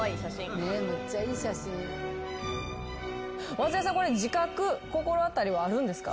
松也さんこれ自覚心当たりはあるんですか？